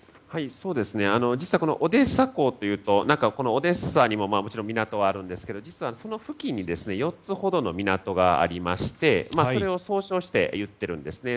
実はオデーサ港というとオデーサにももちろん港があるんですがその付近にも４つほどの港がありましてそれを総称して言っているんです。